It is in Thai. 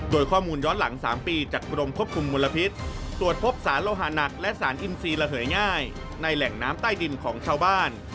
โดยข้อมูลย้อนหลัง๓ปีจากกรมควบคุมมลพิษตรวจพบสารโลหานักและสารอินทรีย์ระเหยง่ายในแหล่งน้ำใต้ดินของชาวบ้าน